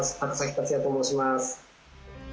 克也と申します。